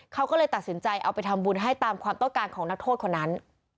เขาก็เลยตัดสินใจเอาไปทำบุญให้ตามความต้องการของนักโทษคนนั้น